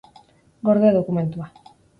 Gorde dokumentua.